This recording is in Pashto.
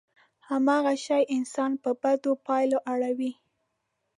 هماغه شی انسان په بدو پايلو اړوي.